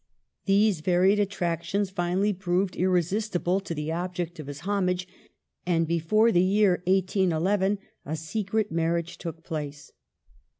These varied attrac tions finally proved irresistible to the object of his homage, and before the year 1811 a secret marriage took place.